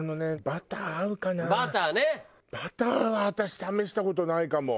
バターは私試した事ないかも。